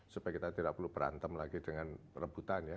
supaya kita tidak perlu perantem lagi dengan rembutan ya